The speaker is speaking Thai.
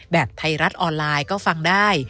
ไทยรัฐออนไลน์ก็ฟังได้